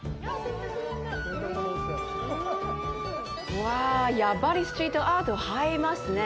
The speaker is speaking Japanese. うわぁ、やっぱりストリートアートは映えますね。